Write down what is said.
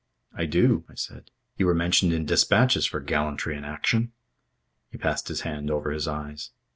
"I do," I said. "You were mentioned in dispatches for gallantry in action." He passed his hand over his eyes.